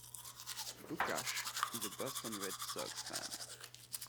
Lucash is a Boston Red Sox fan.